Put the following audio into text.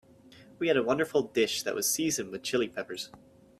We had a wonderful dish that was seasoned with Chili Peppers.